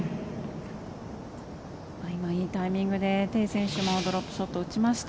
今、いいタイミングでテイ選手もドロップショットを打ちました。